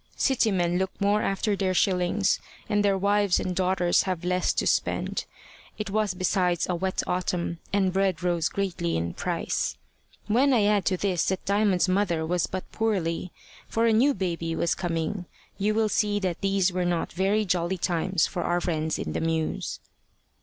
City men look more after their shillings, and their wives and daughters have less to spend. It was besides a wet autumn, and bread rose greatly in price. When I add to this that Diamond's mother was but poorly, for a new baby was coming, you will see that these were not very jolly times for our friends in the mews.